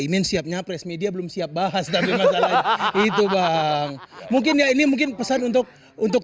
imin siap nyapres media belum siap bahas tapi masalah itu bang mungkin ya ini mungkin pesan untuk untuk